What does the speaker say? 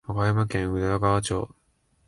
和歌山県有田川町